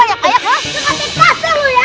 jangan bikin kasar lu ya